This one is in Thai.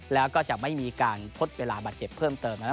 แล้วก็จะไม่มีการทดเวลาบาดเจ็บเพิ่มเติมนะครับ